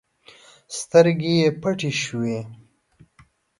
سترګې يې پټې شوې.